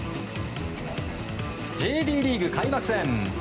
ＪＤリーグ開幕戦。